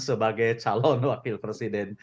sebagai calon wakil presiden